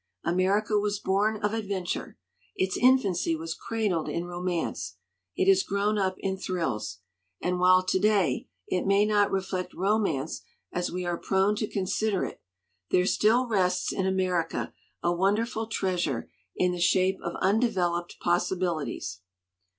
America was born of adventure; its infancy was cradled in romance; it has grown up in thrills. And while to day it may not reflect romance as we are prone to consider it, there still rests in America a won derful treasure in the shape of undeveloped possibilities.